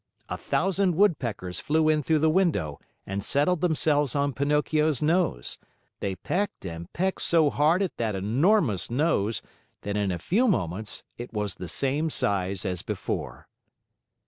A thousand woodpeckers flew in through the window and settled themselves on Pinocchio's nose. They pecked and pecked so hard at that enormous nose that in a few moments, it was the same size as before.